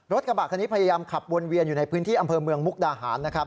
รถกระบะคันนี้พยายามขับวนเวียนอยู่ในพื้นที่อำเภอเมืองมุกดาหารนะครับ